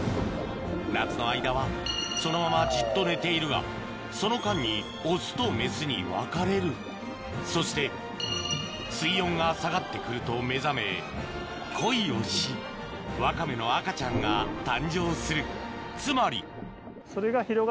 夏の間はそのままじっと寝ているがその間にオスとメスに分かれるそして水温が下がって来ると目覚め恋をしワカメの赤ちゃんが誕生する